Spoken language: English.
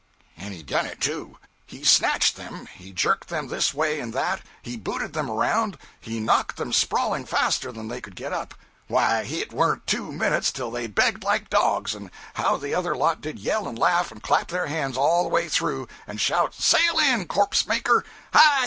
And he done it, too. He snatched them, he jerked them this way and that, he booted them around, he knocked them sprawling faster than they could get up. Why, it warn't two minutes till they begged like dogs and how the other lot did yell and laugh and clap their hands all the way through, and shout 'Sail in, Corpse Maker!' 'Hi!